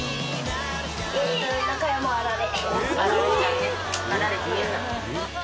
中山あられ。